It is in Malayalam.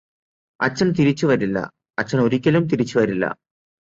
അച്ഛന് തിരിച്ച് വരില്ല അച്ഛന് ഒരിക്കലും തിരിച്ച് വരില്ല